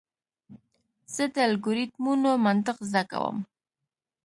زه د الگوریتمونو منطق زده کوم.